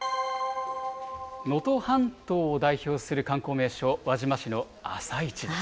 能登半島を代表する観光名所、輪島市の朝市です。